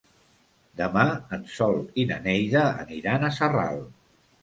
Demà en Sol i na Neida aniran a Sarral.